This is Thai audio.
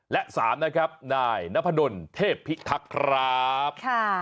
และสามนายนพนธเพภิภักครับ